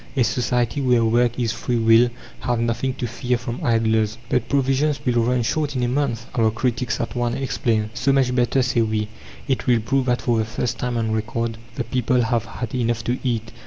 A society where work is free will have nothing to fear from idlers. "But provisions will run short in a month!" our critics at once exclaim. "So much the better," say we. It will prove that for the first time on record the people have had enough to eat.